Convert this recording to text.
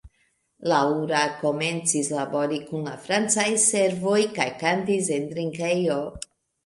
Laura komencis labori kun la francaj servoj kaj kantis en drinkejo.